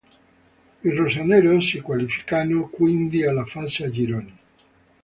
I rosanero si qualificano quindi alla fase a gironi.